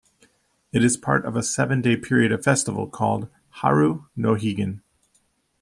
It is part of a seven-day period of festival called Haru no Higan.